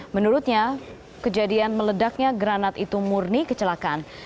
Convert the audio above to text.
menurutnya kejadian meledaknya granat itu murni kecelakaan